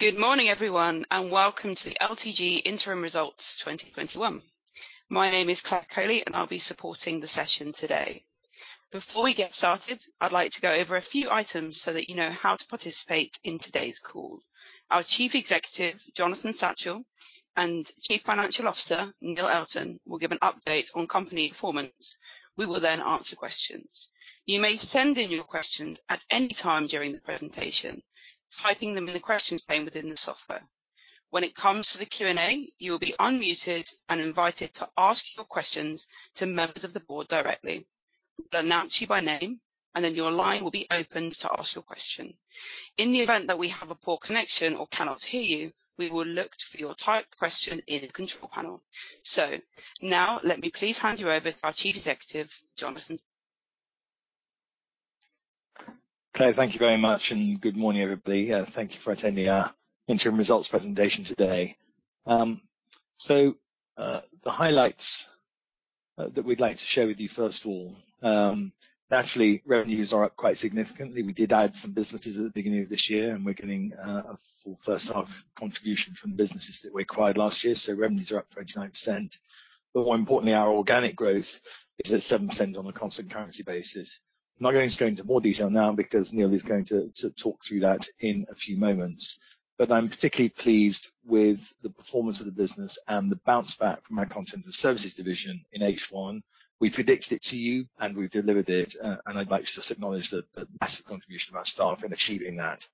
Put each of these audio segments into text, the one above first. Good morning, everyone, and welcome to the LTG Interim Results 2021. My name is Claire Coley, and I'll be supporting the session today. Before we get started, I'd like to go over a few items so that you know how to participate in today's call. Our Chief Executive, Jonathan Satchell, and Chief Financial Officer, Neil Elton, will give an update on company performance. We will then answer questions. You may send in your questions at any time during the presentation, typing them in the questions pane within the software. When it comes to the Q&A, you will be unmuted and invited to ask your questions to members of the board directly. We'll announce you by name, and then your line will be opened to ask your question. In the event that we have a poor connection or cannot hear you, we will look for your typed question in the control panel. Now, let me please hand you over to our Chief Executive, Jonathan. Claire, thank you very much. Good morning, everybody. Thank you for attending our interim results presentation today. The highlights that we'd like to share with you first of all, naturally, revenues are up quite significantly. We did add some businesses at the beginning of this year, and we're getting a full first half contribution from businesses that we acquired last year. Revenues are up 29%, but more importantly, our organic growth is at 7% on a constant currency basis. I'm not going to go into more detail now because Neil is going to talk through that in a few moments, but I'm particularly pleased with the performance of the business and the bounce back from our content and services division in H1. We predicted it to you, and we've delivered it, and I'd like to just acknowledge the massive contribution of our staff in achieving that.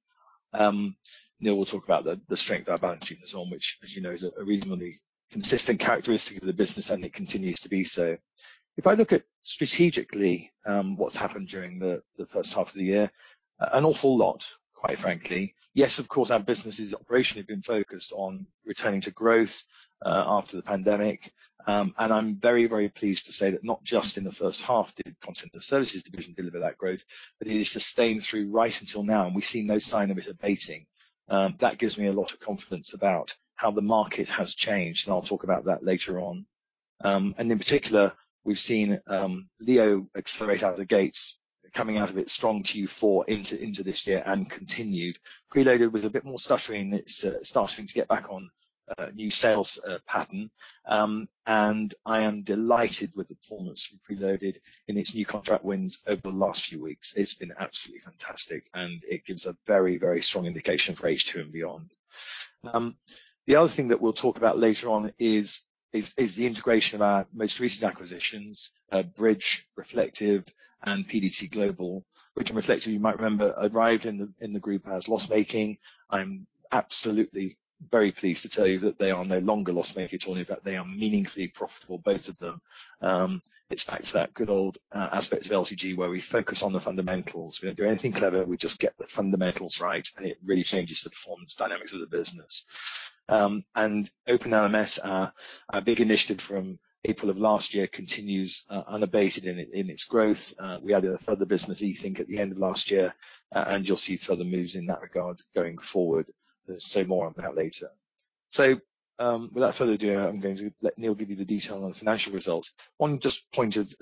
Neil will talk about the strength of our balance sheet in this half, which as you know, is a reasonably consistent characteristic of the business, and it continues to be so. If I look at strategically what's happened during the first half of the year, an awful lot, quite frankly. Yes, of course, our business has operationally been focused on returning to growth after the pandemic. I'm very, very pleased to say that not just in the first half did content and services division deliver that growth, but it is sustained through right until now, and we see no sign of it abating. That gives me a lot of confidence about how the market has changed, and I'll talk about that later on. In particular, we've seen LEO accelerate out of the gates coming out of its strong Q4 into this year and continued. Preloaded with a bit more stuttering, it's starting to get back on a new sales pattern. I am delighted with the performance from Preloaded in its new contract wins over the last few weeks. It's been absolutely fantastic, and it gives a very strong indication for H2 and beyond. The other thing that we'll talk about later on is the integration of our most recent acquisitions, Bridge, Reflektive, and PDT Global, which in Reflektive you might remember, arrived in the group as loss-making. I'm absolutely very pleased to tell you that they are no longer loss-making. Actually, in fact, they are meaningfully profitable, both of them. It's back to that good old aspect of LTG, where we focus on the fundamentals. We don't do anything clever. We just get the fundamentals right, and it really changes the performance dynamics of the business. Open LMS, our big initiative from April of last year, continues unabated in its growth. We added a further business, eThink, at the end of last year, and you'll see further moves in that regard going forward. More on that later. Without further ado, I'm going to let Neil give you the detail on the financial results. One just point of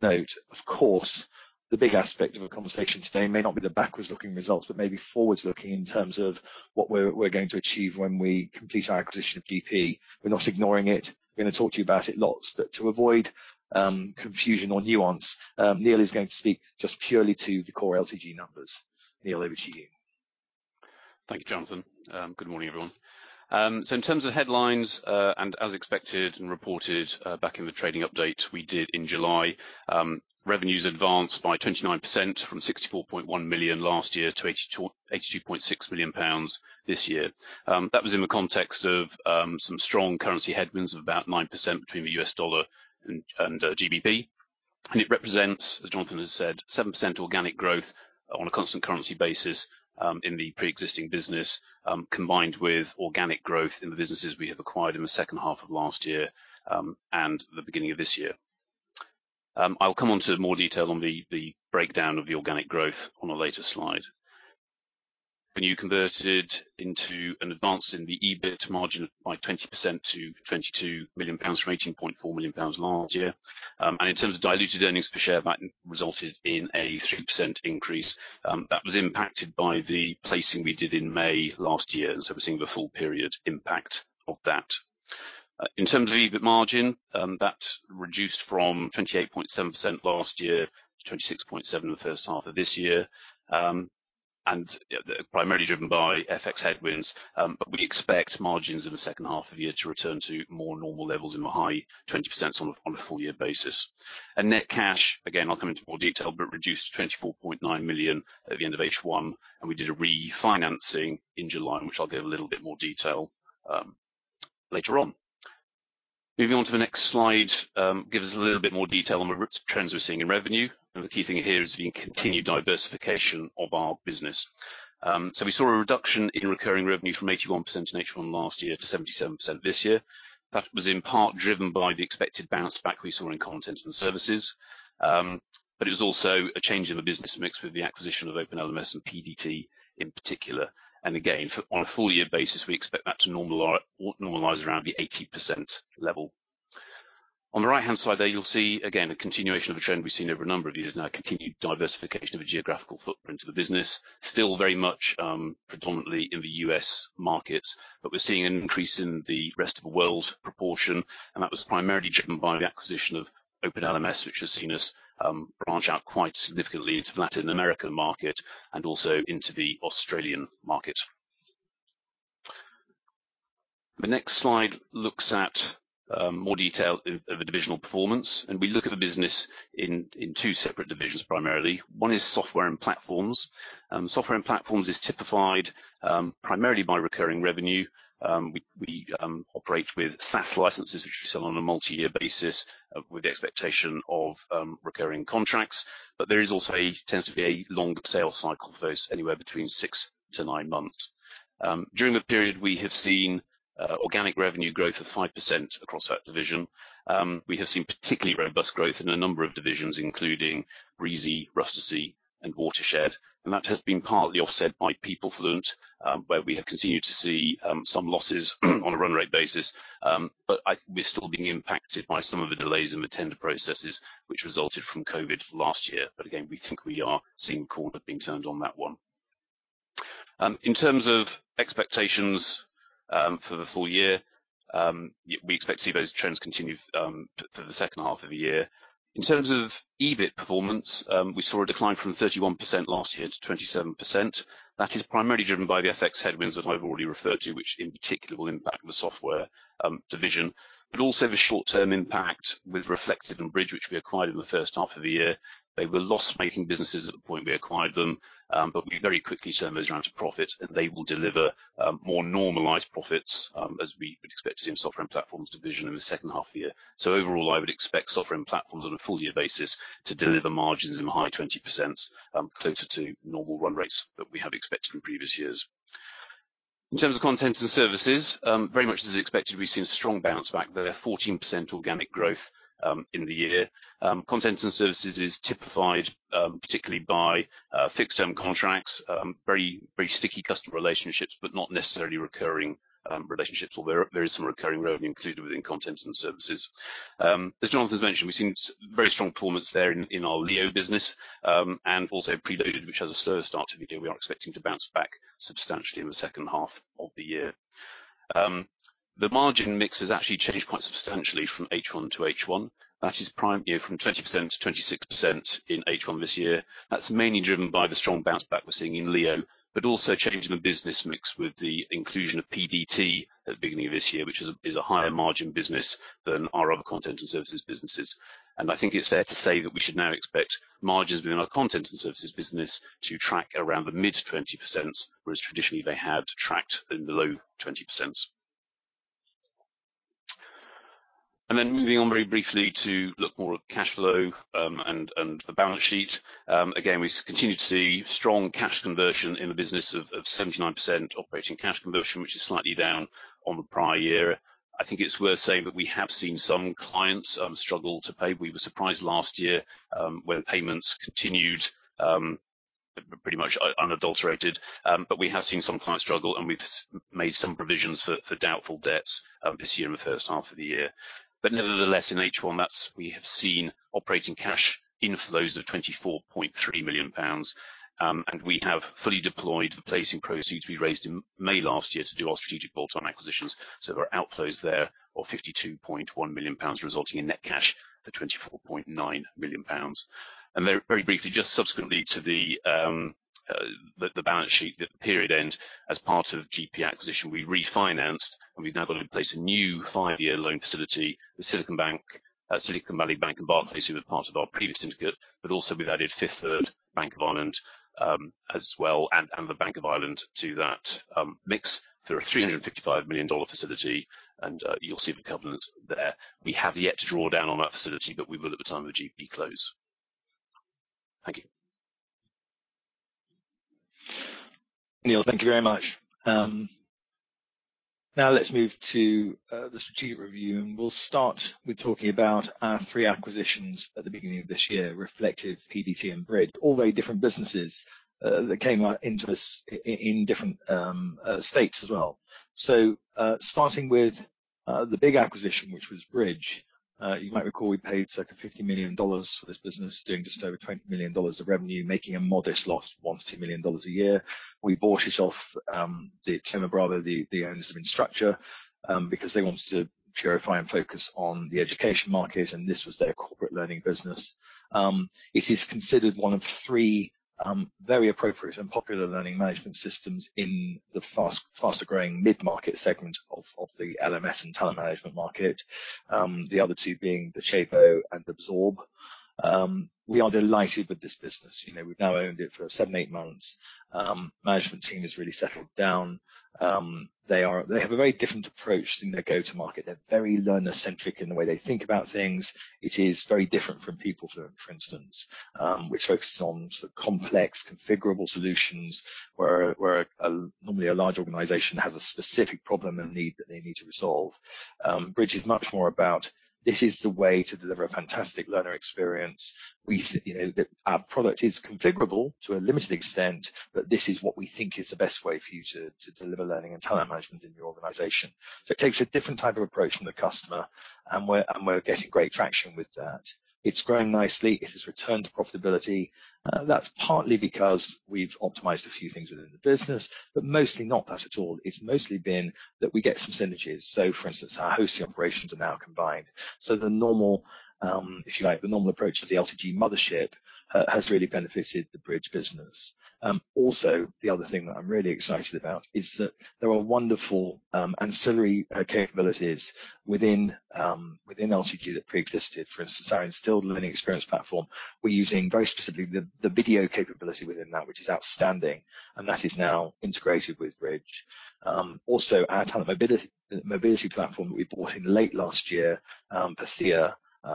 note, of course, the big aspect of our conversation today may not be the backwards-looking results, but maybe forwards-looking in terms of what we're going to achieve when we complete our acquisition of GP. We're not ignoring it. We're going to talk to you about it lots. To avoid confusion or nuance, Neil is going to speak just purely to the core LTG numbers. Neil, over to you. Thank you, Jonathan. Good morning, everyone. In terms of headlines, as expected and reported back in the trading update we did in July, revenues advanced by 29% from 64.1 million last year to 82.6 million pounds this year. That was in the context of some strong currency headwinds of about 9% between the US dollar and GBP. It represents, as Jonathan has said, 7% organic growth on a constant currency basis in the preexisting business, combined with organic growth in the businesses we have acquired in the second half of last year and the beginning of this year. I'll come on to more detail on the breakdown of the organic growth on a later slide. When you convert it into an advance in the EBIT margin by 20% to 22 million pounds from 18.4 million pounds last year. In terms of diluted earnings per share, that resulted in a 3% increase. That was impacted by the placing we did in May last year, we're seeing the full period impact of that. EBIT margin, that reduced from 28.7% last year to 26.7% in the first half of this year, primarily driven by FX headwinds. We expect margins in the second half of the year to return to more normal levels in the high 20% on a full year basis. Net cash, again, I'll come into more detail, but reduced to 24.9 million at the end of H1. We did a refinancing in July, which I'll give a little bit more detail later on. Moving on to the next slide, gives us a little bit more detail on the trends we're seeing in revenue, and the key thing here is the continued diversification of our business. We saw a reduction in recurring revenue from 81% in H1 last year to 77% this year. That was in part driven by the expected bounce back we saw in content and services. It was also a change in the business mix with the acquisition of Open LMS and PDT in particular. Again, on a full year basis, we expect that to normalize around the 80% level. On the right-hand side there you'll see again a continuation of a trend we've seen over a number of years now, continued diversification of the geographical footprint of the business. Still very much predominantly in the U.S. market, but we're seeing an increase in the rest of the world proportion, and that was primarily driven by the acquisition of Open LMS, which has seen us branch out quite significantly into the Latin American market and also into the Australian market. The next slide looks at more detail of the divisional performance, and we look at the business in two separate divisions primarily. One is software and platforms. Software and platforms is typified primarily by recurring revenue. We operate with SaaS licenses, which we sell on a multi-year basis with the expectation of recurring contracts. There also tends to be a longer sales cycle for those, anywhere between six to nine months. During the period, we have seen organic revenue growth of 5% across that division. We have seen particularly robust growth in a number of divisions, including Breezy, Rustici, and Watershed. That has been partly offset by PeopleFluent, where we have continued to see some losses on a run-rate basis. We're still being impacted by some of the delays in the tender processes which resulted from COVID last year. Again, we think we are seeing a corner being turned on that one. In terms of expectations for the full year, we expect to see those trends continue for the second half of the year. In terms of EBIT performance, we saw a decline from 31% last year to 27%. That is primarily driven by the FX headwinds that I've already referred to, which in particular will impact the software division. Also the short-term impact with Reflektive and Bridge, which we acquired in the first half of the year. They were loss-making businesses at the point we acquired them, but we very quickly turned those around to profit, and they will deliver more normalized profits as we would expect to see in software and platforms division in the second half of the year. Overall, I would expect software and platforms on a full-year basis to deliver margins in the high 20%, closer to normal run rates that we have expected in previous years. In terms of content and services, very much as expected, we've seen a strong bounce back there, 14% organic growth in the year. Content and services is typified particularly by fixed-term contracts, very sticky customer relationships, but not necessarily recurring relationships, although there is some recurring revenue included within content and services. As Jonathan's mentioned, we've seen very strong performance there in our LEO business, and also Preloaded, which has a slower start to the year we are expecting to bounce back substantially in the second half of the year. The margin mix has actually changed quite substantially from H1 to H1. That is from 20%-26% in H1 this year. That's mainly driven by the strong bounce back we're seeing in LEO, but also change in the business mix with the inclusion of PDT at the beginning of this year, which is a higher margin business than our other content and services businesses. I think it's fair to say that we should now expect margins within our content and services business to track around the mid-20%, whereas traditionally they have tracked in the low 20%. Moving on very briefly to look more at cash flow and the balance sheet. Again, we continue to see strong cash conversion in the business of 79% operating cash conversion, which is slightly down on the prior year. I think it's worth saying that we have seen some clients struggle to pay. We were surprised last year when payments continued pretty much unadulterated. We have seen some clients struggle, and we've made some provisions for doubtful debts this year in the first half of the year. Nevertheless, in H1, we have seen operating cash inflows of 24.3 million pounds, and we have fully deployed the placing proceeds we raised in May last year to do our strategic bolt-on acquisitions. There are outflows there of 52.1 million pounds, resulting in net cash of 24.9 million pounds. Very briefly, just subsequently to the balance sheet at the period end, as part of GP acquisition, we refinanced, and we have now got in place a new five-year loan facility with Silicon Valley Bank and Barclays, who were part of our previous syndicate, but also we have added Fifth Third Bank of Ireland as well and the Bank of Ireland to that mix for a $355 million facility, and you will see the covenants there. We have yet to draw down on that facility, but we will at the time of the GP close. Thank you. Neil, thank you very much. Now let's move to the strategic review, and we'll start with talking about our three acquisitions at the beginning of this year, Reflektive, PDT, and Bridge. All very different businesses that came into us in different states as well. Starting with the big acquisition, which was Bridge. You might recall we paid GBP 50 million for this business, doing just over GBP 20 million of revenue, making a modest loss of GBP 1 million-GBP 2 million a year. We bought it off Brian Whitmer and Devlin Daley, the owners of Instructure, because they wanted to purify and focus on the education market, and this was their corporate learning business. It is considered one of three very appropriate and popular learning management systems in the faster-growing mid-market segment of the LMS and talent management market. The other two being the Totara and Absorb. We are delighted with this business. We've now owned it for seven, eight months. Management team has really settled down. They have a very different approach in their go-to market. They're very learner-centric in the way they think about things. It is very different from PeopleFluent, for instance, which focuses on sort of complex configurable solutions where normally a large organization has a specific problem and need that they need to resolve. Bridge is much more about, this is the way to deliver a fantastic learner experience. Our product is configurable to a limited extent, but this is what we think is the best way for you to deliver learning and talent management in your organization. It takes a different type of approach from the customer, and we're getting great traction with that. It's growing nicely. It has returned to profitability. That's partly because we've optimized a few things within the business, but mostly not that at all. It's mostly been that we get some synergies. For instance, our hosting operations are now combined. The normal approach of the LTG mothership has really benefited the Bridge business. The other thing that I'm really excited about is that there are wonderful ancillary capabilities within LTG that preexisted. For instance, our Instilled learning experience platform, we're using very specifically the video capability within that, which is outstanding, and that is now integrated with Bridge. Our talent mobility platform that we bought in late last year, Patheer,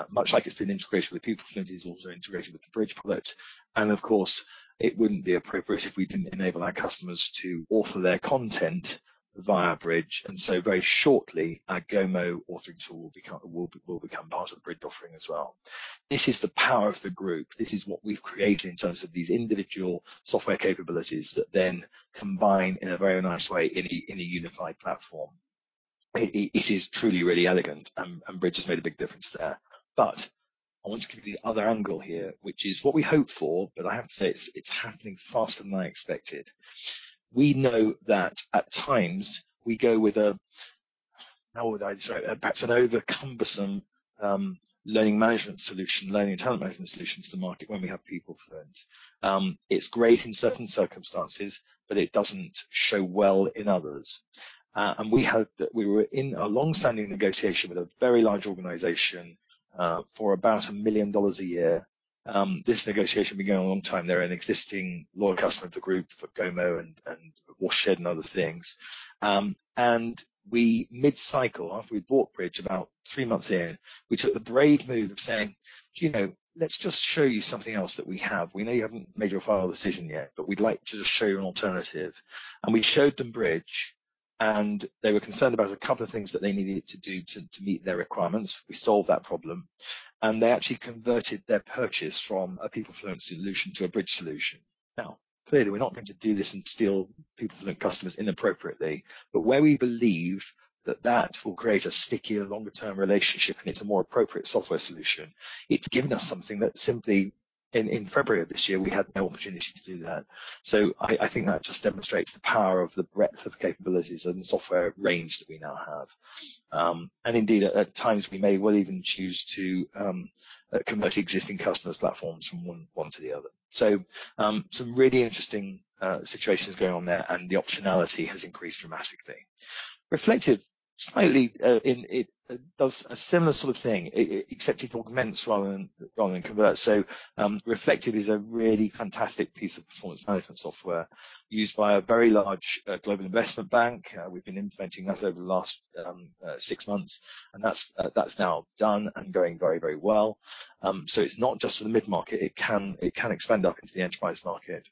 much like it's been integrated with PeopleFluent, is also integrated with the Bridge product. Of course, it wouldn't be appropriate if we didn't enable our customers to author their content via Bridge. Very shortly, our Gomo authoring tool will become part of the Bridge offering as well. This is the power of the group. This is what we've created in terms of these individual software capabilities that then combine in a very nice way in a unified platform. It is truly really elegant, and Bridge has made a big difference there. I want to give the other angle here, which is what we hope for, but I have to say, it's happening faster than I expected. We know that at times we go with how would I describe it? Perhaps an over-cumbersome learning management solution, learning talent management solution to the market when we have PeopleFluent. It's great in certain circumstances, but it doesn't show well in others. We were in a long-standing negotiation with a very large organization, for about $1 million a year. This negotiation had been going a long time. They're an existing loyal customer of the group for Gomo and Watershed and other things. We mid-cycle, after we bought Bridge about three months in, we took the brave move of saying, "Let's just show you something else that we have. We know you haven't made your final decision yet, but we'd like to just show you an alternative." We showed them Bridge, and they were concerned about a couple of things that they needed to do to meet their requirements. We solved that problem, and they actually converted their purchase from a PeopleFluent solution to a Bridge solution. Now, clearly, we're not going to do this and steal PeopleFluent customers inappropriately, but where we believe that that will create a stickier longer-term relationship and it's a more appropriate software solution, it's given us something that simply in February of this year, we had no opportunity to do that. I think that just demonstrates the power of the breadth of capabilities and the software range that we now have. Indeed, at times, we may well even choose to convert existing customers' platforms from one to the other. Some really interesting situations going on there, and the optionality has increased dramatically. Reflektive slightly does a similar sort of thing, except it augments rather than converts. Reflektive is a really fantastic piece of performance management software used by a very large global investment bank. We've been implementing that over the last six months, and that's now done and going very well. It's not just for the mid-market, it can expand up into the enterprise market.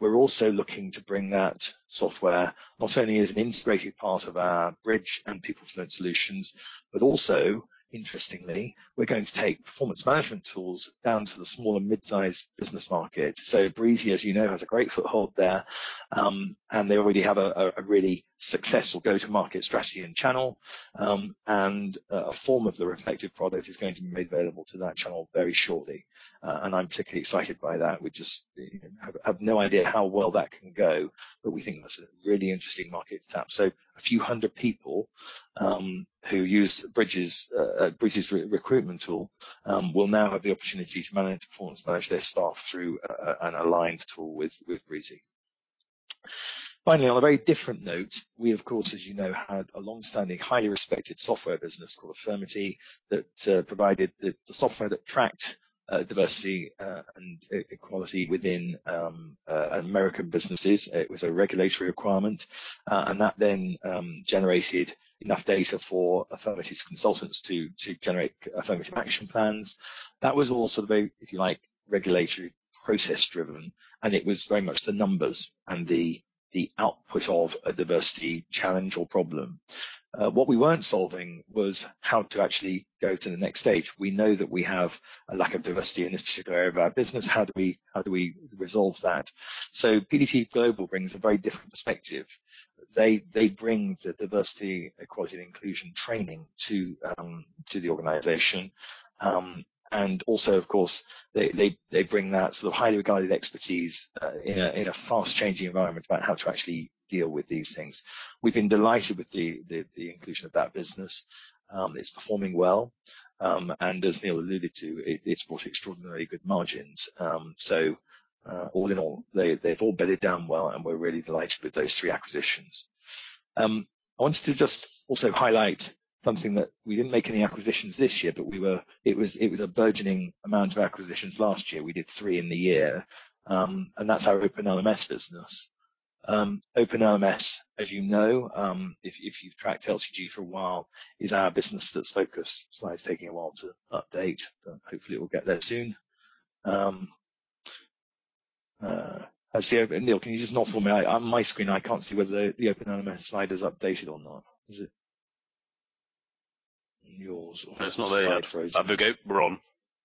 We're also looking to bring that software not only as an integrated part of our Bridge and PeopleFluent solutions, but also, interestingly, we're going to take performance management tools down to the small and mid-sized business market. Breezy, as you know, has a great foothold there, and they already have a really successful go-to-market strategy and channel. A form of the Reflektive product is going to be made available to that channel very shortly. I'm particularly excited by that. We just have no idea how well that can go, but we think that's a really interesting market to tap. A few hundred people, who use Bridge's recruitment tool, will now have the opportunity to manage, performance manage their staff through an aligned tool with Breezy. Finally, on a very different note, we of course, as you know, had a long-standing, highly respected software business called Affirmity that provided the software that tracked diversity and equality within U.S. businesses. It was a regulatory requirement. That then generated enough data for Affirmity's consultants to generate affirmative action plans. That was all sort of, if you like, regulatory process driven, and it was very much the numbers and the output of a diversity challenge or problem. What we weren't solving was how to actually go to the next stage. We know that we have a lack of diversity in this particular area of our business. How do we resolve that? PDT Global brings a very different perspective. They bring the diversity, equality, and inclusion training to the organization. Also, of course, they bring that sort of highly regarded expertise in a fast-changing environment about how to actually deal with these things. We've been delighted with the inclusion of that business. It's performing well. As Neil alluded to, it's brought extraordinarily good margins. All in all, they've all bedded down well, and we're really delighted with those three acquisitions. I wanted to just also highlight something that we didn't make any acquisitions this year, but it was a burgeoning amount of acquisitions last year. We did three in the year, and that's our Open LMS business. Open LMS, as you know, if you've tracked LTG for a while, is our business that's focused. Slide's taking a while to update. Hopefully, it will get there soon. Neil, can you just nod for me? On my screen, I can't see whether the Open LMS slide is updated or not. Is it yours? It's not there yet. Have a go. We're on.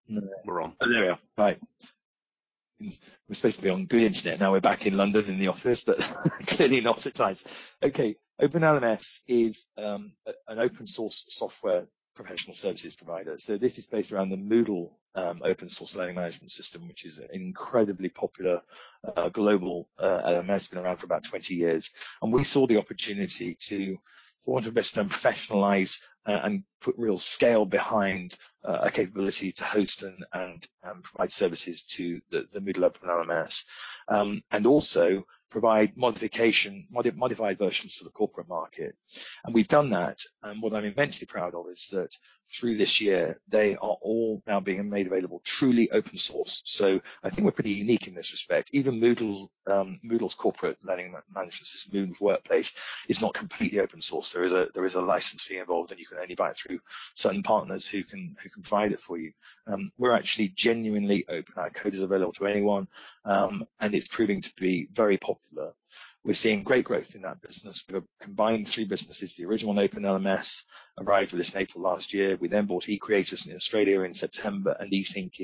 There we are. We're supposed to be on good internet. Now we're back in London in the office, but clearly not at times. Open LMS is an open source software professional services provider. This is based around the Moodle open source learning management system, which is an incredibly popular global LMS. Been around for about 20 years. We saw the opportunity to want to invest and professionalize and put real scale behind a capability to host and provide services to the Moodle Open LMS, and also provide modified versions for the corporate market. We've done that, and what I'm immensely proud of is that through this year, they are all now being made available truly open source. I think we're pretty unique in this respect. Even Moodle's corporate learning management system, Moodle Workplace, is not completely open source. There is a licensing involved, and you can only buy it through certain partners who can provide it for you. We're actually genuinely open. Our code is available to anyone, and it's proving to be very popular. We're seeing great growth in that business. We've combined three businesses, the original Open LMS arrived with us April last year. We then bought eCreators in Australia in September, and eThink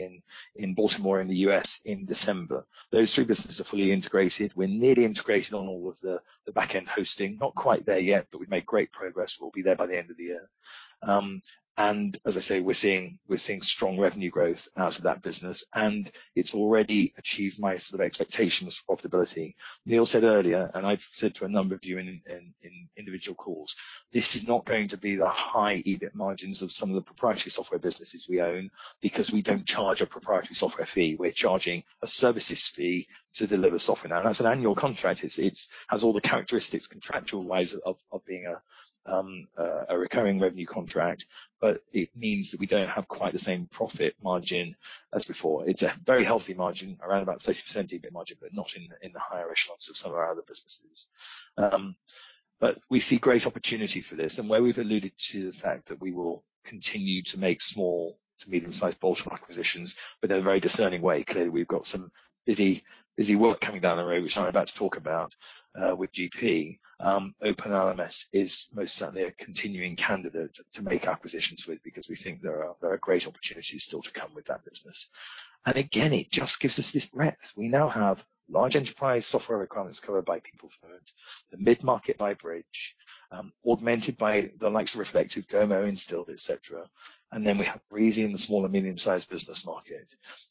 in Baltimore in the U.S. in December. Those three businesses are fully integrated. We're nearly integrated on all of the back end hosting. Not quite there yet, but we've made great progress. We'll be there by the end of the year. As I say, we're seeing strong revenue growth out of that business, and it's already achieved my sort of expectations of profitability. Neil said earlier, and I've said to a number of you in individual calls, this is not going to be the high EBIT margins of some of the proprietary software businesses we own, because we don't charge a proprietary software fee. We're charging a services fee to deliver software now. As an annual contract, it has all the characteristics, contractual ways of being a recurring revenue contract. It means that we don't have quite the same profit margin as before. It's a very healthy margin, around about 30% EBIT margin, not in the higher echelons of some of our other businesses. We see great opportunity for this, and where we've alluded to the fact that we will continue to make small to medium sized bolt-on acquisitions, in a very discerning way. We've got some busy work coming down the road, which I'm about to talk about with GP. Open LMS is most certainly a continuing candidate to make acquisitions with, because we think there are great opportunities still to come with that business. Again, it just gives us this breadth. We now have large enterprise software requirements covered by PeopleFluent, the mid-market by Bridge, augmented by the likes of Reflektive, Gomo, Instilled, et cetera. Then we have Breezy in the small and medium sized business market.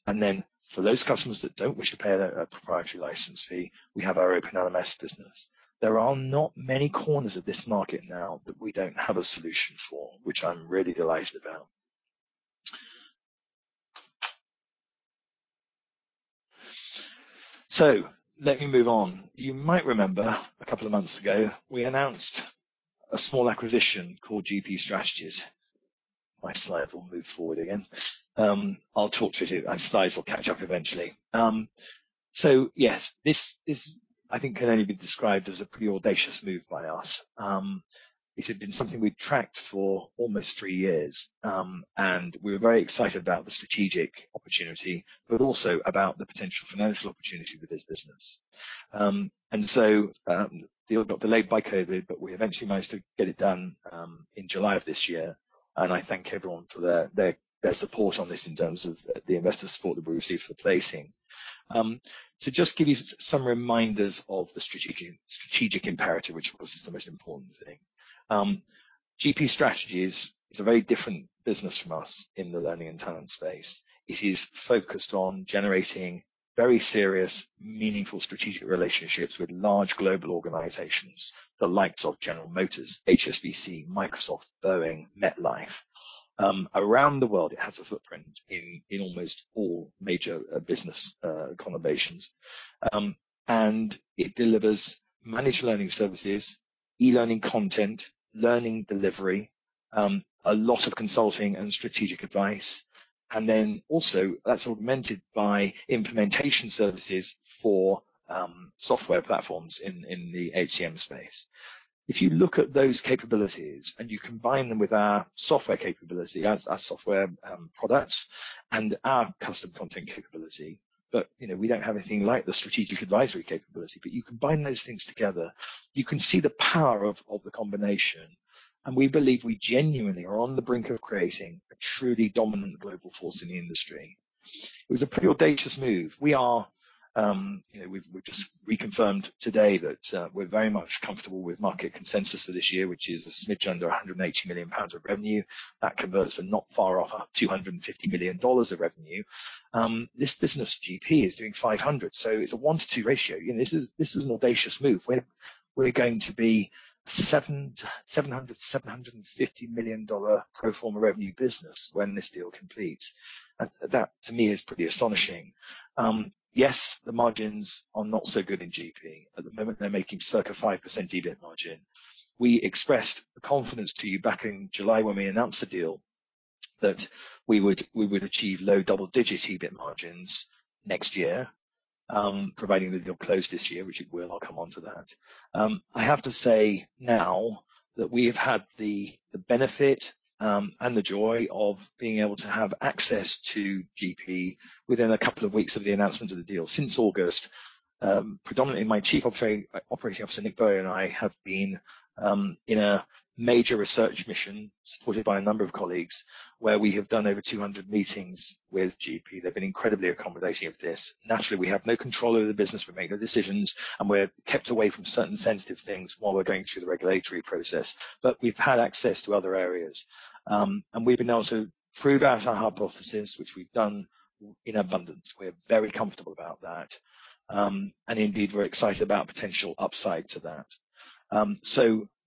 Then for those customers that don't wish to pay a proprietary license fee, we have our Open LMS business. There are not many corners of this market now that we don't have a solution for, which I'm really delighted about. Let me move on. You might remember a couple of months ago, we announced a small acquisition called GP Strategies. My slide will move forward again. I'll talk to it, and slides will catch up eventually. Yes, this I think can only be described as a pretty audacious move by us. It had been something we'd tracked for almost three years. We were very excited about the strategic opportunity, but also about the potential financial opportunity with this business. The deal got delayed by COVID, but we eventually managed to get it done in July of this year, and I thank everyone for their support on this in terms of the investor support that we received for the placing. To just give you some reminders of the strategic imperative, which of course is the most important thing. GP Strategies is a very different business from us in the learning and talent space. It is focused on generating very serious, meaningful strategic relationships with large global organizations. The likes of General Motors, HSBC, Microsoft, Boeing, MetLife. Around the world, it has a footprint in almost all major business conurbations. It delivers managed learning services, e-learning content, learning delivery, a lot of consulting and strategic advice. Also that's augmented by implementation services for software platforms in the HCM space. If you look at those capabilities and you combine them with our software capability as our software product and our custom content capability, but we don't have anything like the strategic advisory capability, but you combine those things together, you can see the power of the combination. We believe we genuinely are on the brink of creating a truly dominant global force in the industry. It was a pretty audacious move. We've just reconfirmed today that we're very much comfortable with market consensus for this year, which is a smidge under 180 million pounds of revenue. That converts to not far off $250 million of revenue. This business, GP, is doing $500 million. It's a 1/2 ratio. This is an audacious move. We're going to be a $700 million-$750 million pro forma revenue business when this deal completes. That to me is pretty astonishing. Yes, the margins are not so good in GP. At the moment they're making circa 5% EBIT margin. We expressed confidence to you back in July when we announced the deal that we would achieve low double digit EBIT margins next year, providing the deal closed this year, which it will. I'll come on to that. I have to say now that we have had the benefit and the joy of being able to have access to GP within a couple of weeks of the announcement of the deal since August. Predominantly my Chief Operating Officer, Nick Bowen, and I have been in a major research mission supported by a number of colleagues, where we have done over 200 meetings with GP. They've been incredibly accommodating of this. Naturally, we have no control over the business. We make no decisions, and we're kept away from certain sensitive things while we're going through the regulatory process. We've had access to other areas, and we've been able to prove out our hypothesis, which we've done in abundance. We're very comfortable about that. Indeed, we're excited about potential upside to that.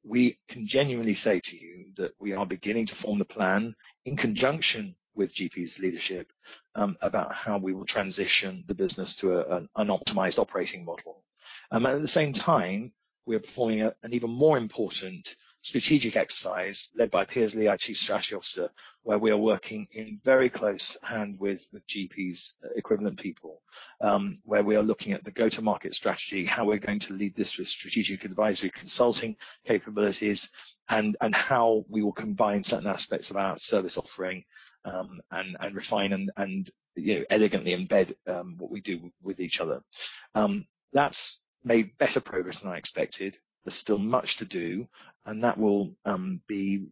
We can genuinely say to you that we are beginning to form the plan in conjunction with GP's leadership about how we will transition the business to an optimized operating model. At the same time, we are performing an even more important strategic exercise led by Piers Lea, our Chief Strategy Officer, where we are working in very close hand with GP's equivalent people where we are looking at the go-to-market strategy, how we're going to lead this with strategic advisory consulting capabilities, and how we will combine certain aspects of our service offering, and refine and elegantly embed what we do with each other. That's made better progress than I expected. There's still much to do, and that will be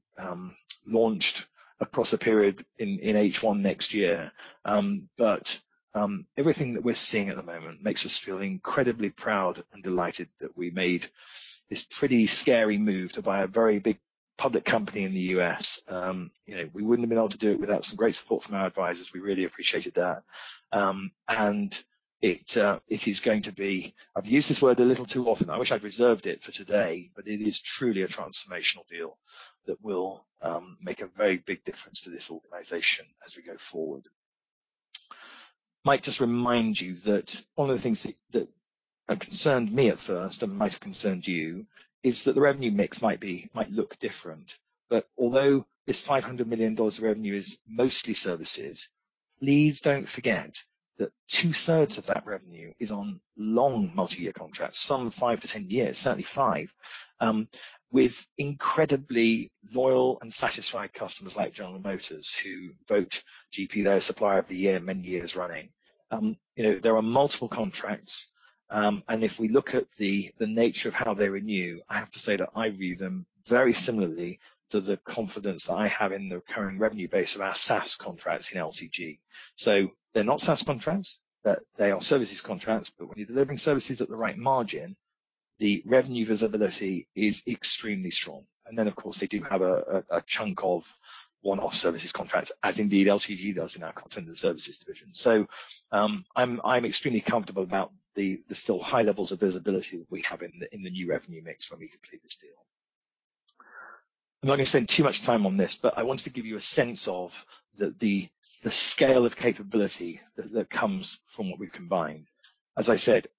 launched across a period in H1 next year. Everything that we're seeing at the moment makes us feel incredibly proud and delighted that we made this pretty scary move to buy a very big public company in the U.S. We wouldn't have been able to do it without some great support from our advisors. We really appreciated that. It is going to be, I've used this word a little too often, and I wish I'd reserved it for today, but it is truly a transformational deal that will make a very big difference to this organization as we go forward. Might just remind you that one of the things that concerned me at first, and might have concerned you, is that the revenue mix might look different. Although this GBP 500 million of revenue is mostly services, please don't forget that two-thirds of that revenue is on long multi-year contracts, some five, ten years, certainly five with incredibly loyal and satisfied customers like General Motors, who vote GP their supplier of the year many years running. There are multiple contracts, if we look at the nature of how they renew, I have to say that I view them very similarly to the confidence that I have in the current revenue base of our SaaS contracts in LTG. They're not SaaS contracts, they are services contracts. When you're delivering services at the right margin, the revenue visibility is extremely strong. Then, of course, they do have a chunk of one-off services contracts, as indeed LTG does in our content and services division. I'm extremely comfortable about the still high levels of visibility that we have in the new revenue mix when we complete this deal. I'm not going to spend too much time on this, but I wanted to give you a sense of the scale of capability that comes from what we've combined. As I said,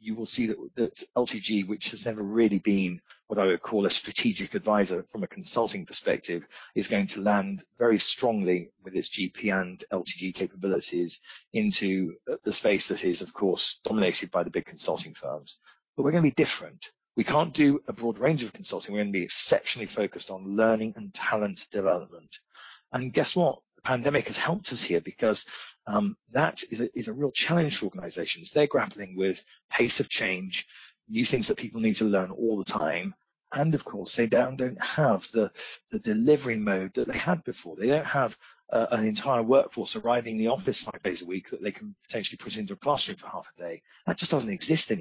you will see that LTG, which has never really been what I would call a strategic advisor from a consulting perspective, is going to land very strongly with its GP and LTG capabilities into the space that is, of course, dominated by the big consulting firms. We're going to be different. We can't do a broad range of consulting. We're going to be exceptionally focused on learning and talent development. Guess what? The pandemic has helped us here because that is a real challenge for organizations. They're grappling with pace of change, new things that people need to learn all the time. Of course, they now don't have the delivery mode that they had before. They don't have an entire workforce arriving in the office five days a week that they can potentially put into a classroom for half a day. That just doesn't exist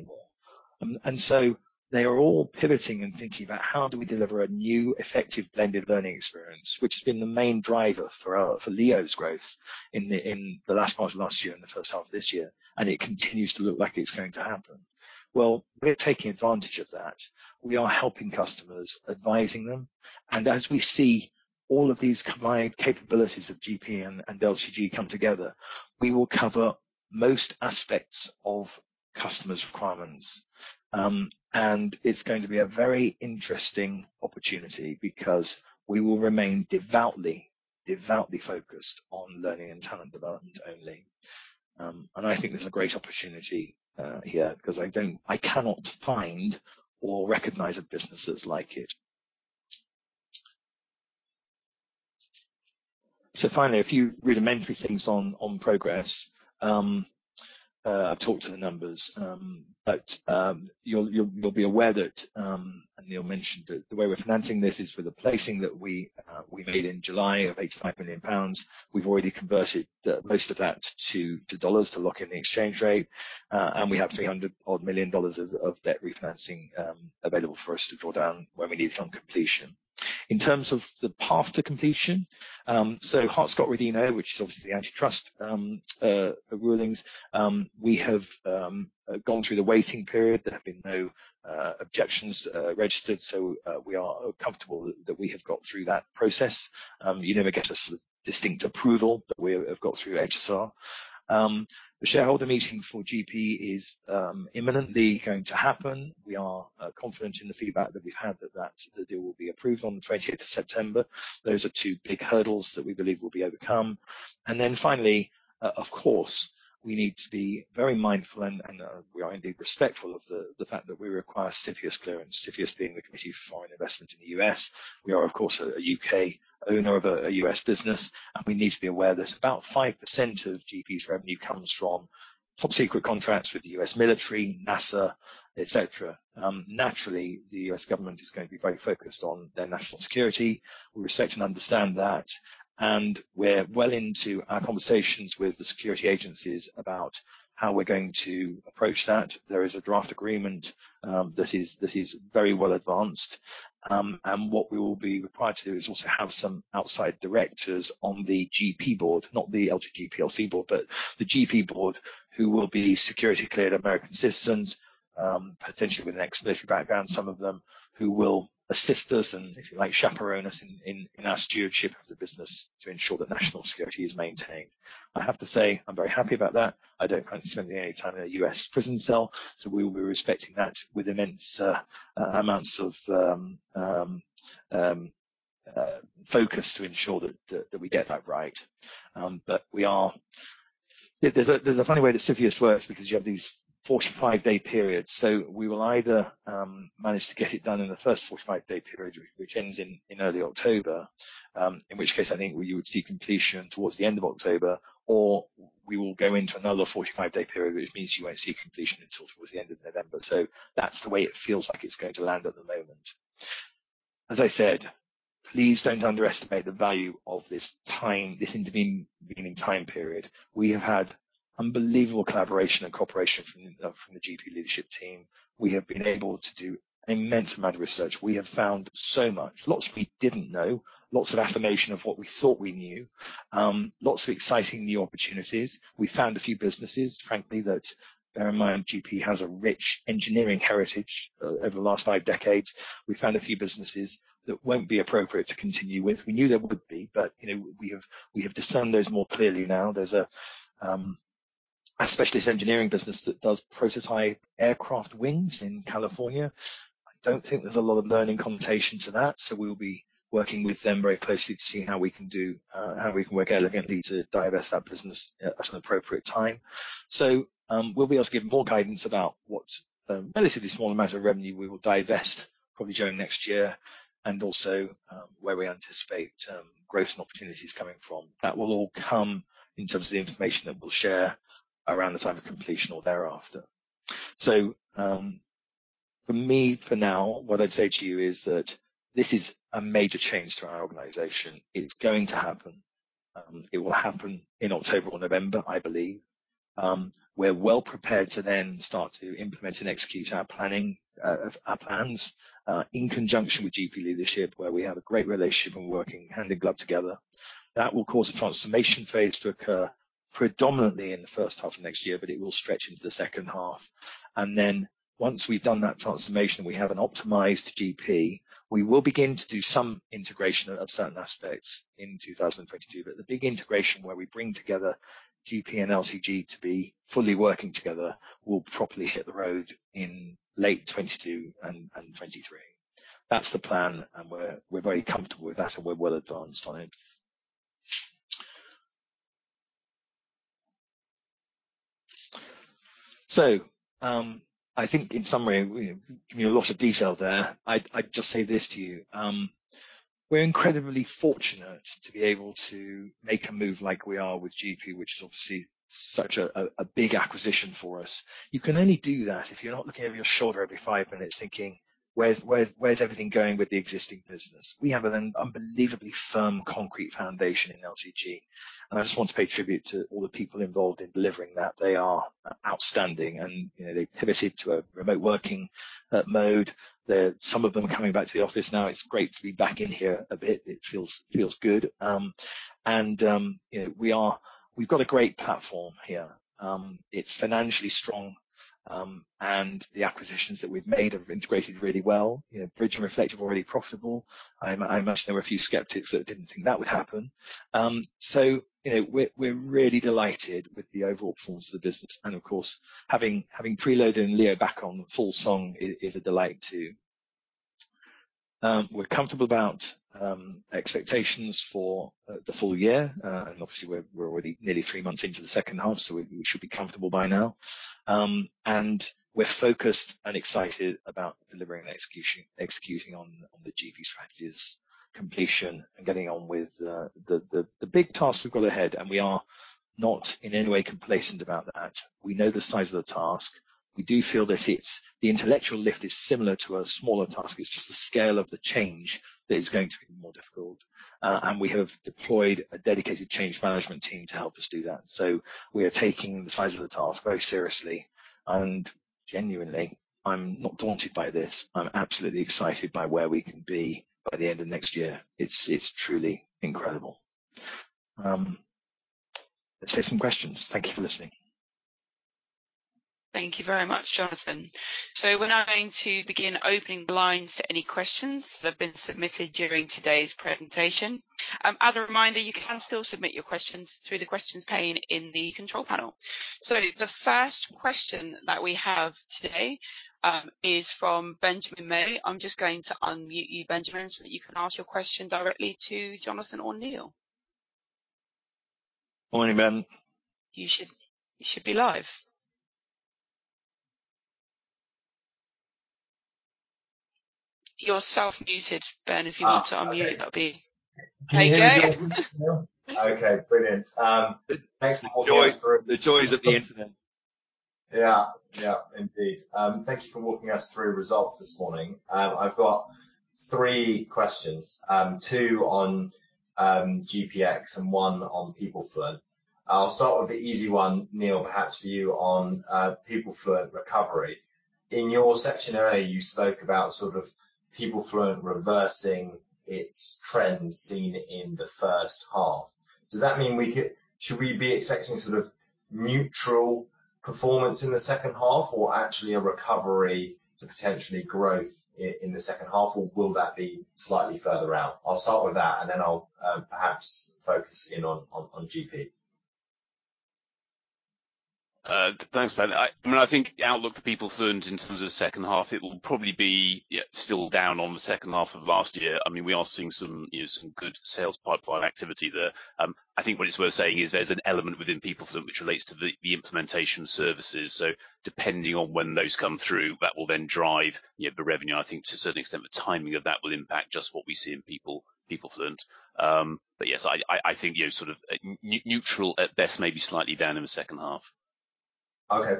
anymore. They are all pivoting and thinking about how do we deliver a new, effective blended learning experience, which has been the main driver for LEO's growth in the last part of last year and the first half of this year, and it continues to look like it's going to happen. We're taking advantage of that. We are helping customers, advising them, and as we see all of these combined capabilities of GP and LTG come together, we will cover most aspects of customers' requirements. It's going to be a very interesting opportunity because we will remain devoutly focused on learning and talent development only. I think there's a great opportunity here because I cannot find or recognize a business that's like it. Finally, a few rudimentary things on progress. I've talked to the numbers, but you'll be aware that, Neil mentioned, the way we're financing this is with the placing that we made in July of 85 million pounds. We've already converted most of that to U.S. dollars to lock in the exchange rate. We have $300 odd million of debt refinancing available for us to draw down when we need it on completion. In terms of the path to completion, so Hart-Scott-Rodino, which is obviously the antitrust rulings, we have gone through the waiting period. There have been no objections registered, we are comfortable that we have got through that process. You never get a distinct approval, we have got through HSR. The shareholder meeting for GP is imminently going to happen. We are confident in the feedback that we've had that the deal will be approved on the 20th of September. Those are two big hurdles that we believe will be overcome. Finally, of course, we need to be very mindful, and we are indeed respectful of the fact that we require CFIUS clearance, CFIUS being the Committee on Foreign Investment in the U.S. We are, of course, a U.K. owner of a U.S. business, and we need to be aware that about 5% of GP's revenue comes from top-secret contracts with the U.S. military, NASA, et cetera. Naturally, the U.S. government is going to be very focused on their national security. We respect and understand that, and we're well into our conversations with the security agencies about how we're going to approach that. There is a draft agreement that is very well advanced. What we will be required to do is also have some outside directors on the GP board, not the LTG plc board, but the GP board, who will be security-cleared American citizens potentially with an expedition background, some of them who will assist us and if you like, chaperone us in our stewardship of the business to ensure that national security is maintained. I have to say I'm very happy about that. I don't fancy spending any time in a U.S. prison cell, so we will be respecting that with immense amounts of focus to ensure that we get that right. There's a funny way that CFIUS works because you have these 45-day periods, so we will either manage to get it done in the first 45-day period, which ends in early October, in which case I think you would see completion towards the end of October. We will go into another 45-day period, which means you won't see completion until towards the end of November. That's the way it feels like it's going to land at the moment. As I said, please don't underestimate the value of this intervening time period. We have had unbelievable collaboration and cooperation from the GP leadership team. We have been able to do an immense amount of research. We have found so much. Lots we didn't know, lots of affirmation of what we thought we knew. Lots of exciting new opportunities. We found a few businesses, frankly, that bear in mind, GP Strategies has a rich engineering heritage over the last five decades. We found a few businesses that won't be appropriate to continue with. We knew there would be, but we have discerned those more clearly now. There's a specialist engineering business that does prototype aircraft wings in California. I don't think there's a lot of learning connotation to that, so we will be working with them very closely to see how we can work elegantly to divest that business at an appropriate time. We'll be able to give more guidance about what relatively small amount of revenue we will divest probably during next year, and also where we anticipate growth and opportunities coming from. That will all come in terms of the information that we'll share around the time of completion or thereafter. For me, for now, what I'd say to you is that this is a major change to our organization. It's going to happen. It will happen in October or November, I believe. We're well prepared to then start to implement and execute our plans, in conjunction with GP Strategies leadership, where we have a great relationship and working hand in glove together. That will cause a transformation phase to occur predominantly in the first half of next year, but it will stretch into the second half. Once we've done that transformation, we have an optimized GP Strategies, we will begin to do some integration of certain aspects in 2022. The big integration where we bring together GP Strategies and LTG to be fully working together will properly hit the road in late 2022 and 2023. That's the plan, and we're very comfortable with that, and we're well advanced on it. I think in summary, I gave you a lot of detail there. I'd just say this to you. We're incredibly fortunate to be able to make a move like we are with GP, which is obviously such a big acquisition for us. You can only do that if you're not looking over your shoulder every five minutes thinking, "Where's everything going with the existing business?" We have an unbelievably firm concrete foundation in LTG, and I just want to pay tribute to all the people involved in delivering that. They are outstanding, and they pivoted to a remote working mode. Some of them are coming back to the office now. It's great to be back in here a bit. It feels good. We've got a great platform here. It's financially strong, and the acquisitions that we've made have integrated really well. Bridge and Reflektive are already profitable. I imagine there were a few skeptics that didn't think that would happen. We're really delighted with the overall performance of the business. Of course, having Preloaded and LEO back on full song is a delight too. We're comfortable about expectations for the full year, obviously we're already nearly three months into the second half, we should be comfortable by now. We're focused and excited about delivering and executing on the GP Strategies completion and getting on with the big tasks we've got ahead, we are not in any way complacent about that. We know the size of the task. We do feel the intellectual lift is similar to a smaller task. It's just the scale of the change that is going to be more difficult. We have deployed a dedicated change management team to help us do that. We are taking the size of the task very seriously, and genuinely, I'm not daunted by this. I'm absolutely excited by where we can be by the end of next year. It's truly incredible. Let's take some questions. Thank you for listening. Thank you very much, Jonathan. We're now going to begin opening lines to any questions that have been submitted during today's presentation. As a reminder, you can still submit your questions through the questions pane in the control panel. The first question that we have today is from Benjamin May. I'm just going to unmute you, Benjamin, so that you can ask your question directly to Jonathan or Neil. Morning, Ben. You should be live. You're self-muted, Benjamin. If you want to unmute, that'd be great. Can you hear me now, Neil? Okay, brilliant. Thanks. The joys of the internet. Yeah, indeed. Thank you for walking us through results this morning. I've got three questions, two on GPX and one on PeopleFluent. I'll start with the easy one, Neil, perhaps for you on PeopleFluent recovery. In your section earlier, you spoke about PeopleFluent reversing its trends seen in the first half. Does that mean should we be expecting neutral performance in the second half or actually a recovery to potentially growth in the second half? Will that be slightly further out? I'll start with that, and then I'll perhaps focus in on GP. Thanks, Ben. I think outlook for PeopleFluent in terms of second half, it will probably be still down on the second half of last year. We are seeing some good sales pipeline activity there. I think what it's worth saying is there's an element within PeopleFluent which relates to the implementation services. Depending on when those come through, that will then drive the revenue, I think to a certain extent, the timing of that will impact just what we see in PeopleFluent. Yes, I think neutral at best, maybe slightly down in the second half. Okay.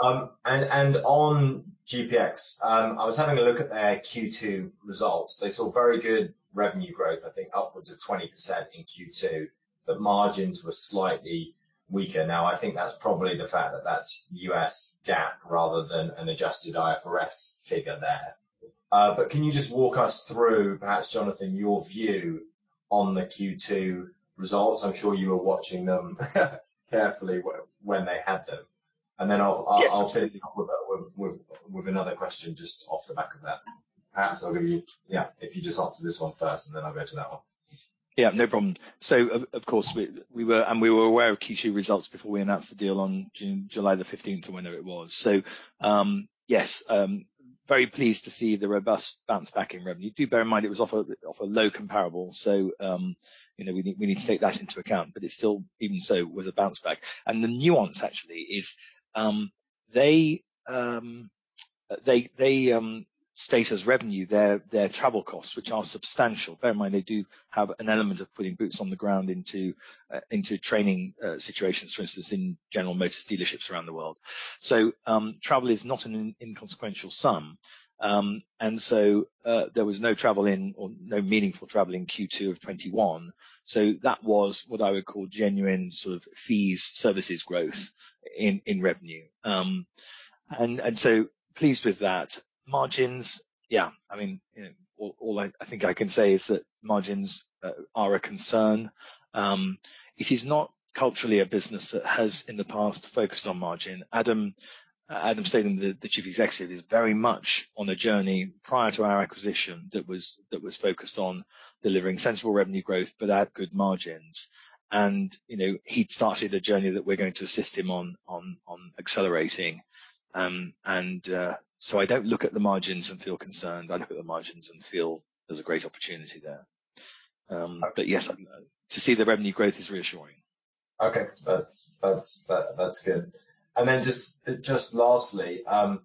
On GP Strategies, I was having a look at their Q2 results. They saw very good revenue growth, I think upwards of 20% in Q2. Margins were slightly weaker. I think that's probably the fact that that's U.S. GAAP rather than an adjusted IFRS figure there. Can you just walk us through, perhaps, Jonathan, your view on the Q2 results? I'm sure you were watching them carefully when they had them. Yes. I'll follow up with another question just off the back of that, perhaps. If you just answer this one first, and then I'll go to that one. Of course, we were aware of Q2 results before we announced the deal on July the 15th, or whenever it was. Yes, very pleased to see the robust bounce back in revenue. Do bear in mind it was off a low comparable, so we need to take that into account, but it still, even so, was a bounce back. The nuance actually is they state as revenue their travel costs, which are substantial. Bear in mind, they do have an element of putting boots on the ground into training situations, for instance, in General Motors dealerships around the world. Travel is not an inconsequential sum. There was no travel in, or no meaningful travel in Q2 of 2021. That was what I would call genuine sort of fees, services growth in revenue. Pleased with that. Margins, yeah, all I think I can say is that margins are a concern. It is not culturally a business that has in the past focused on margin. Adam Stedham, the Chief Executive, is very much on a journey prior to our acquisition that was focused on delivering sensible revenue growth but at good margins. He'd started a journey that we're going to assist him on accelerating. I don't look at the margins and feel concerned. I look at the margins and feel there's a great opportunity there. Yes, to see the revenue growth is reassuring. Okay. That's good. Just lastly, I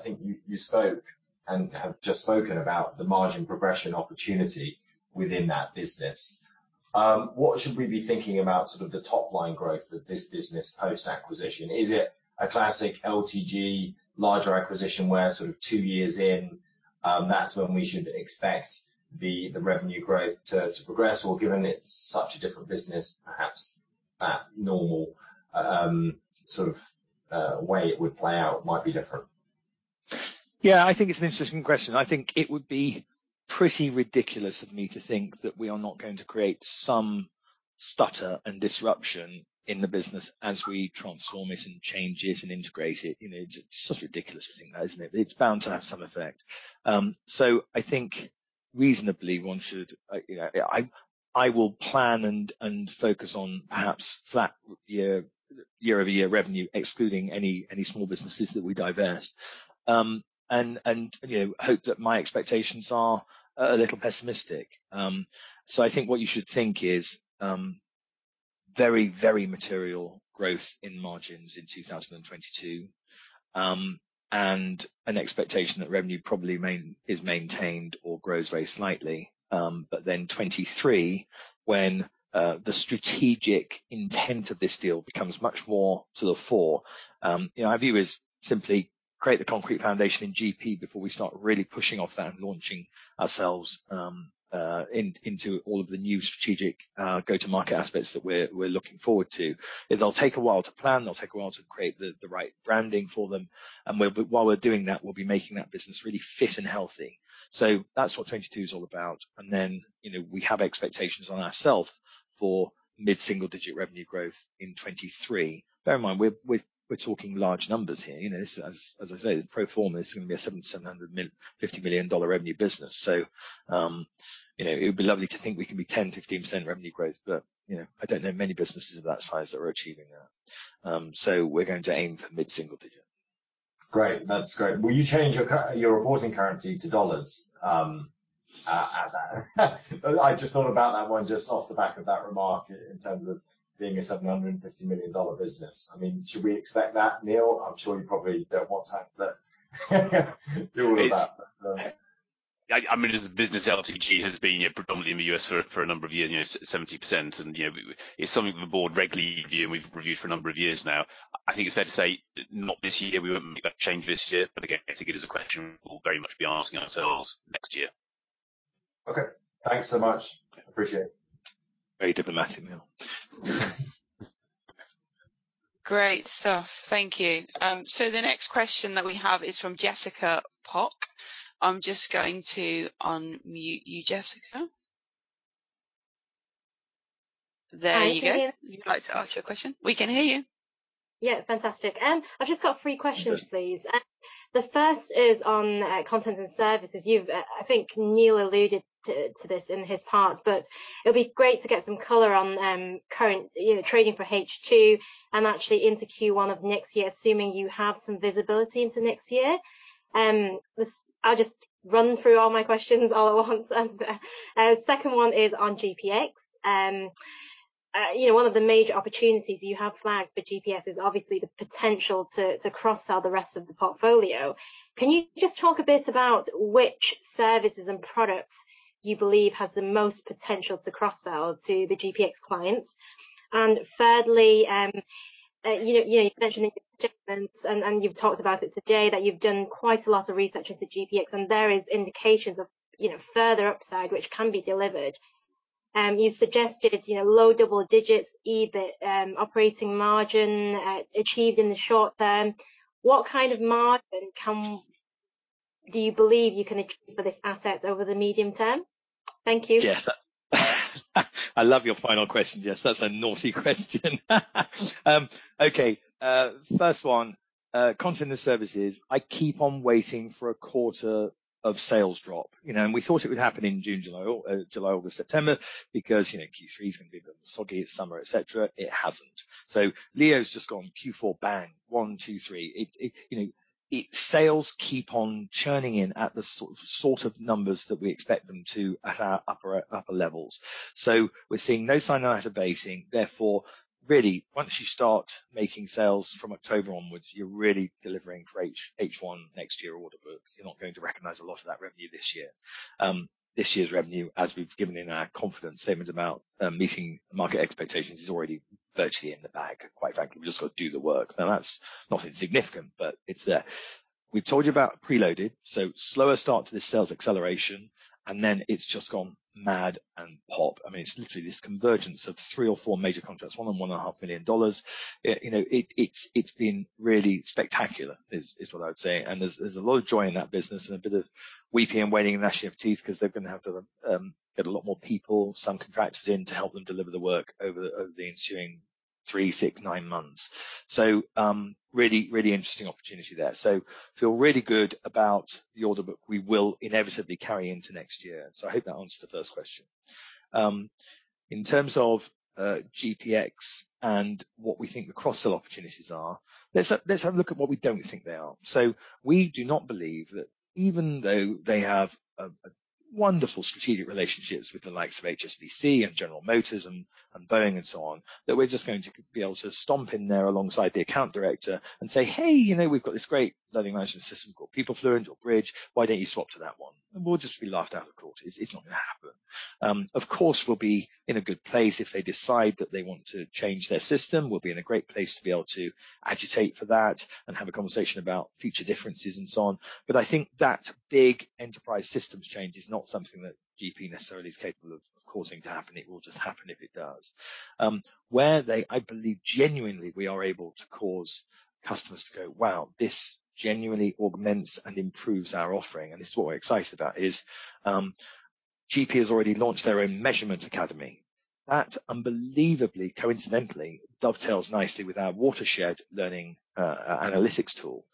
think you spoke and have just spoken about the margin progression opportunity within that business. What should we be thinking about sort of the top-line growth of this business post-acquisition? Is it a classic LTG larger acquisition where sort of two years in, that's when we should expect the revenue growth to progress? Given it's such a different business, perhaps that normal sort of way it would play out might be different? Yeah, I think it's an interesting question. I think it would be pretty ridiculous of me to think that we are not going to create some stutter and disruption in the business as we transform it and change it and integrate it. It's just ridiculous to think that, isn't it? It's bound to have some effect. I think reasonably I will plan and focus on perhaps flat year-over-year revenue, excluding any small businesses that we divest. Hope that my expectations are a little pessimistic. I think what you should think is very material growth in margins in 2022, and an expectation that revenue probably is maintained or grows very slightly. 2023, when the strategic intent of this deal becomes much more to the fore. Our view is simply create the concrete foundation in GP before we start really pushing off that and launching ourselves into all of the new strategic go-to-market aspects that we're looking forward to. They'll take a while to plan. They'll take a while to create the right branding for them. While we're doing that, we'll be making that business really fit and healthy. That's what 2022 is all about. Then, we have expectations on ourself for mid-single-digit revenue growth in 2023. Bear in mind, we're talking large numbers here. As I say, the pro forma is going to be a GBP 750 million revenue business. It would be lovely to think we can be 10%-15% revenue growth, but I don't know many businesses of that size that are achieving that. We're going to aim for mid-single digit. Great. That's great. Will you change your reporting currency to dollars at that? I just thought about that one just off the back of that remark in terms of being a GBP 750 million business. Should we expect that, Neil? I'm sure you probably don't want to have to deal with that. As a business, LTG has been predominantly in the U.S. for a number of years, 70%. It's something that the board regularly view, and we've reviewed for a number of years now. I think it's fair to say, not this year. We wouldn't make that change this year. Again, I think it is a question we'll very much be asking ourselves next year. Okay. Thanks so much. Appreciate it. Very diplomatic, Neil. Great stuff. Thank you. The next question that we have is from Jessica Pok. I'm just going to unmute you, Jessica. There you go. Can you hear me? If you'd like to ask your question. We can hear you. Yeah, fantastic. I've just got three questions, please. The first is on content and services. I think Neil alluded to this in his part, but it would be great to get some color on current trading for H2 and actually into Q1 of next year, assuming you have some visibility into next year. I'll just run through all my questions all at once. Second one is on GPX. One of the major opportunities you have flagged for GPX is obviously the potential to cross-sell the rest of the portfolio. Can you just talk a bit about which services and products you believe has the most potential to cross-sell to the GPX clients? Thirdly, you mentioned in your statements and you've talked about it today, that you've done quite a lot of research into GPX and there is indications of further upside which can be delivered. You suggested low double digits, EBIT, operating margin achieved in the short term. What kind of margin do you believe you can achieve for this asset over the medium term? Thank you. Yes. I love your final question. Yes, that's a naughty question. Okay, first one, content and services. I keep on waiting for a quarter of sales drop. We thought it would happen in June, July, August, September because Q3 is going to be a bit soggy, it's summer, et cetera. It hasn't. LEO's just gone Q4 bang. One, two, three. Sales keep on churning in at the sort of numbers that we expect them to at our upper levels. We're seeing no sign now of abating. Therefore, really, once you start making sales from October onwards, you're really delivering for H1 next year order book. You're not going to recognize a lot of that revenue this year. This year's revenue, as we've given in our confidence statement about meeting market expectations, is already virtually in the bag, quite frankly. We've just got to do the work. That's not insignificant, but it's there. We've told you about Preloaded, slower start to this sales acceleration, it's just gone mad and pop. It's literally this convergence of three or four major contracts, one of them $1.5 million. It's been really spectacular is what I would say. There's a lot of joy in that business and a bit of weeping and waiting and gnashing of teeth because they're going to have to get a lot more people, some contractors in to help them deliver the work over the ensuing three, six, nine months. Really interesting opportunity there. Feel really good about the order book we will inevitably carry into next year. I hope that answers the first question. In terms of GPX and what we think the cross-sell opportunities are, let's have a look at what we don't think they are. We do not believe that even though they have wonderful strategic relationships with the likes of HSBC and General Motors and Boeing and so on, that we're just going to be able to stomp in there alongside the account director and say, "Hey. We've got this great learning management system called PeopleFluent or Bridge. Why don't you swap to that one?" We'll just be laughed out of the court. It's not going to happen. Of course, we'll be in a good place if they decide that they want to change their system. We'll be in a great place to be able to agitate for that and have a conversation about future differences and so on. I think that big enterprise systems change is not something that GP necessarily is capable of causing to happen. It will just happen if it does. Where they, I believe genuinely we are able to cause customers to go, "Wow, this genuinely augments and improves our offering," and this is what we're excited about, is GP has already launched their own measurement Academy. That unbelievably coincidentally dovetails nicely with our Watershed learning analytics tool.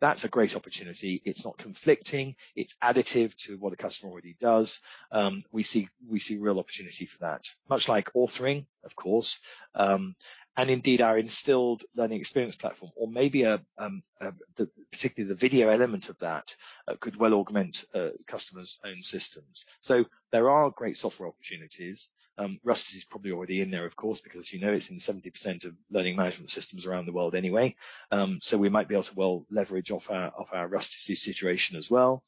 That's a great opportunity. It's not conflicting. It's additive to what a customer already does. We see real opportunity for that. Much like authoring, of course, and indeed our Instilled learning experience platform or maybe particularly the video element of that could well augment a customer's own systems. There are great software opportunities. Rustici is probably already in there, of course, because it's in 70% of learning management systems around the world anyway. We might be able to well leverage off our Rustici situation as well.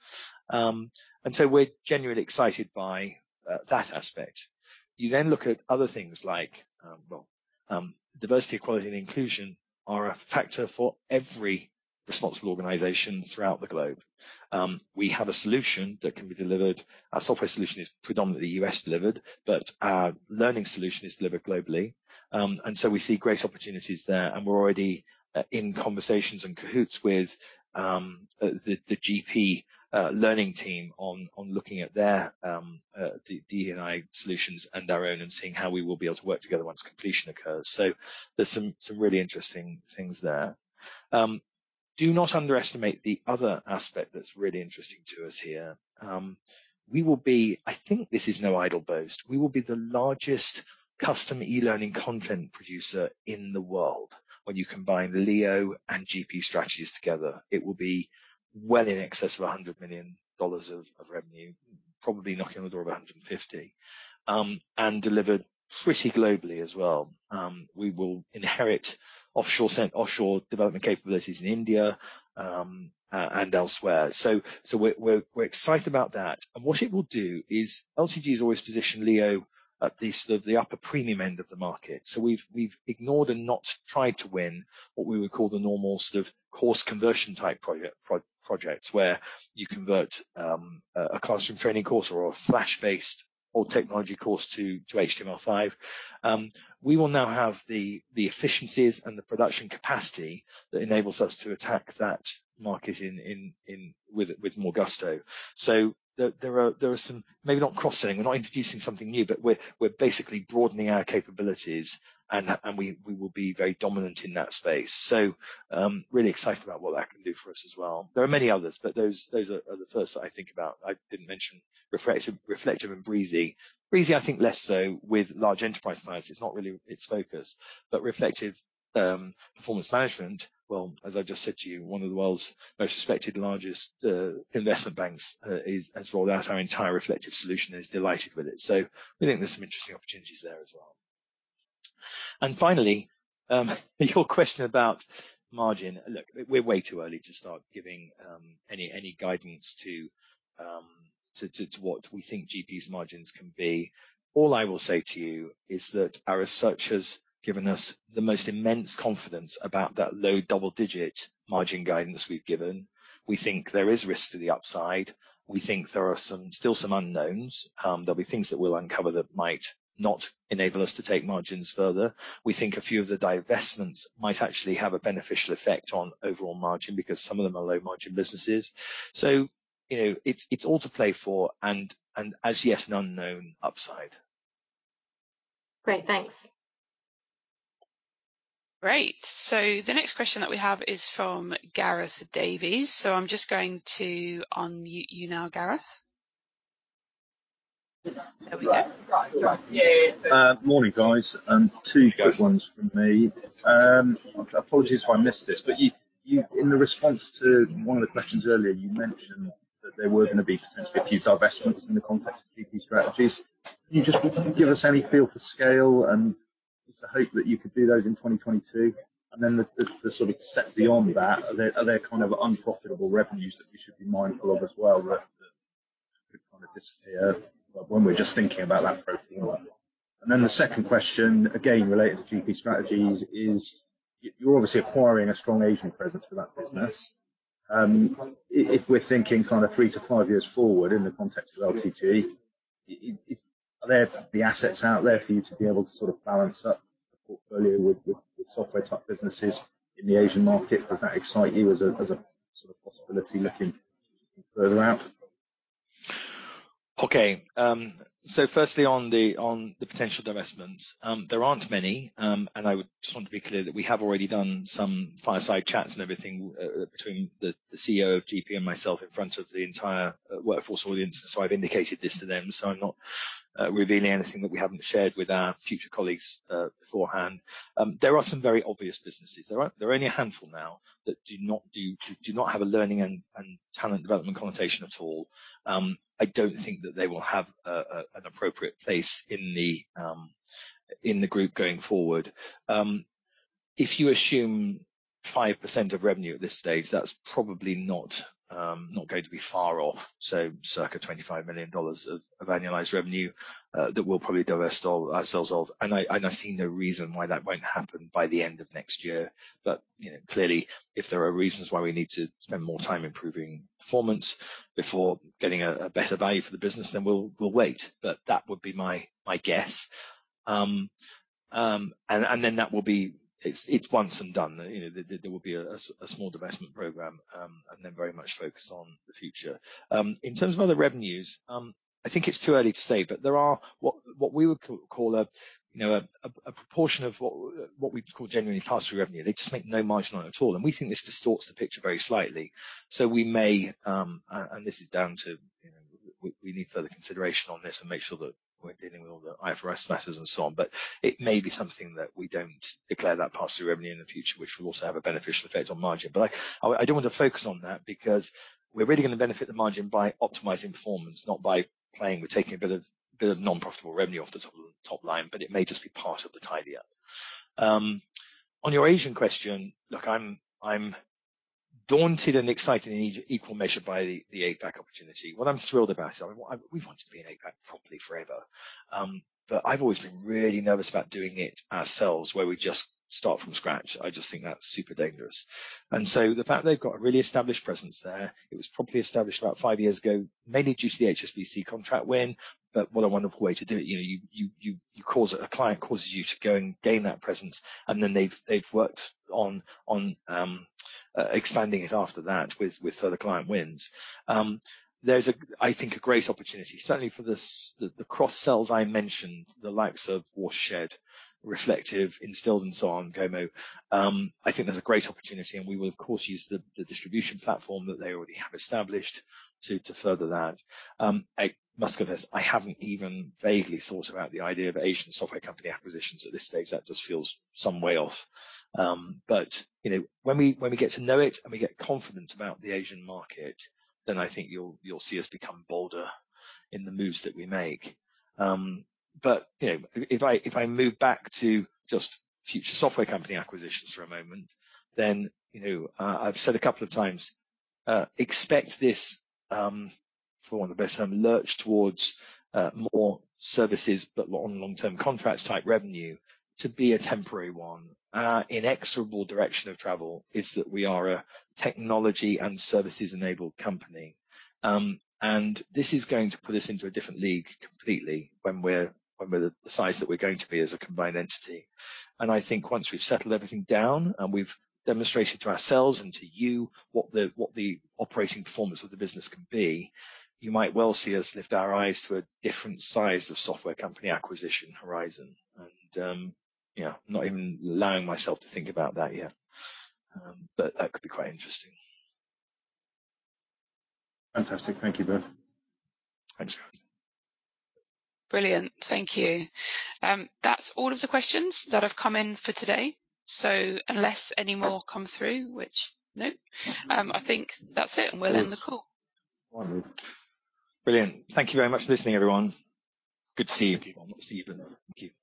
We're genuinely excited by that aspect. You then look at other things like, well, diversity, equality, and inclusion are a factor for every responsible organization throughout the globe. We have a solution that can be delivered. Our software solution is predominantly U.S. delivered, but our learning solution is delivered globally. We see great opportunities there, and we're already in conversations and cahoots with the GP learning team on looking at their DE&I solutions and our own and seeing how we will be able to work together once completion occurs. There's some really interesting things there. Do not underestimate the other aspect that's really interesting to us here. I think this is no idle boast. We will be the largest custom e-learning content producer in the world when you combine LEO and GP Strategies together. It will be well in excess of GBP 100 million of revenue, probably knocking on the door of 150, and delivered pretty globally as well. We will inherit offshore development capabilities in India, and elsewhere. We're excited about that. What it will do is LTG has always positioned LEO at the upper premium end of the market. We've ignored and not tried to win what we would call the normal sort of course conversion type projects where you convert a classroom training course or a flash-based or technology course to HTML5. We will now have the efficiencies and the production capacity that enables us to attack that market with more gusto. There are some, maybe not cross-selling, we're not introducing something new, but we're basically broadening our capabilities, and we will be very dominant in that space. Really excited about what that can do for us as well. There are many others, but those are the first that I think about. I didn't mention Reflektive and Breezy. Breezy, I think less so with large enterprise clients. It's not really its focus. Reflektive performance management, well, as I've just said to you, one of the world's most respected, largest investment banks has rolled out our entire Reflektive solution, is delighted with it. We think there's some interesting opportunities there as well. Finally, your question about margin. Look, we're way too early to start giving any guidance to what we think GP's margins can be. All I will say to you is that our research has given us the most immense confidence about that low double-digit margin guidance we've given. We think there is risk to the upside. We think there are still some unknowns. There'll be things that we'll uncover that might not enable us to take margins further. We think a few of the divestments might actually have a beneficial effect on overall margin because some of them are low margin businesses. It's all to play for and, as yet, an unknown upside. Great. Thanks. Great. The next question that we have is from Gareth Davies. I'm just going to unmute you now, Gareth. There we go. Right. Morning, guys. Two quick ones from me. Apologies if I missed this, but in the response to one of the questions earlier, you mentioned that there were going to be potentially a few divestments in the context of GP Strategies. Can you just give us any feel for scale and the hope that you could do those in 2022? The sort of step beyond that, are there kind of unprofitable revenues that we should be mindful of as well that could kind of disappear when we're just thinking about that program? The 2nd question, again, related to GP Strategies, is you're obviously acquiring a strong Asian presence for that business. If we're thinking kind of three to five years forward in the context of LTG, are there the assets out there for you to be able to sort of balance up the portfolio with software type businesses in the Asian market? Does that excite you as a sort of possibility looking further out? Firstly on the potential divestments, there aren't many, and I would just want to be clear that we have already done some fireside chats and everything between the CEO of GP and myself in front of the entire workforce audience. I've indicated this to them, I'm not revealing anything that we haven't shared with our future colleagues beforehand. There are some very obvious businesses. There are only a handful now that do not have a learning and talent development connotation at all. I don't think that they will have an appropriate place in the group going forward. If you assume 5% of revenue at this stage, that's probably not going to be far off. Circa $25 million of annualized revenue that we'll probably divest ourselves of, and I see no reason why that won't happen by the end of next year. Clearly, if there are reasons why we need to spend more time improving performance before getting a better value for the business, then we'll wait. That would be my guess. That will be it's once and done. There will be a small divestment program, and then very much focused on the future. In terms of other revenues, I think it's too early to say, but there are what we would call a proportion of what we'd call genuinely pass-through revenue. They just make no margin on it at all. We think this distorts the picture very slightly. We may, and this is down to, we need further consideration on this and make sure that we're dealing with all the IFRS matters and so on, but it may be something that we don't declare that pass-through revenue in the future, which will also have a beneficial effect on margin. I don't want to focus on that because we're really going to benefit the margin by optimizing performance, not by playing with taking a bit of non-profitable revenue off the top line, but it may just be part of the tidy up. On your Asian question, look, I'm daunted and excited in equal measure by the APAC opportunity. What I'm thrilled about, we've wanted to be in APAC probably forever. I've always been really nervous about doing it ourselves, where we just start from scratch. I just think that's super dangerous. The fact they've got a really established presence there, it was probably established about five years ago, mainly due to the HSBC contract win. What a wonderful way to do it. A client causes you to go and gain that presence, and then they've worked on expanding it after that with further client wins. There's, I think, a great opportunity, certainly for the cross-sells I mentioned, the likes of Watershed, Reflektive, Instilled and so on, Gomo. I think there's a great opportunity, and we will of course use the distribution platform that they already have established to further that. I must confess, I haven't even vaguely thought about the idea of Asian software company acquisitions at this stage. That just feels some way off. When we get to know it and we get confident about the Asian market, then I think you'll see us become bolder in the moves that we make. If I move back to just future software company acquisitions for a moment, then I've said a couple of times, expect this, for want of a better term, lurch towards more services but on long-term contracts type revenue to be a temporary one. Inexorable direction of travel is that we are a technology and services enabled company. This is going to put us into a different league completely when we're the size that we're going to be as a combined entity. I think once we've settled everything down and we've demonstrated to ourselves and to you what the operating performance of the business can be, you might well see us lift our eyes to a different size of software company acquisition horizon. I'm not even allowing myself to think about that yet. That could be quite interesting. Fantastic. Thank you, Benjamin. Thanks, Gareth. Brilliant. Thank you. That's all of the questions that have come in for today. Unless any more come through, which, nope, I think that's it, and we'll end the call. Wonderful. Brilliant. Thank you very much for listening, everyone. Good to see you people. Not see you, but thank you.